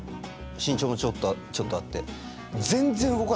身長もちょっとあって。